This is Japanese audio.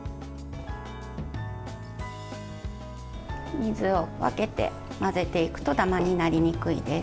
水を分けて混ぜていくとダマになりにくいです。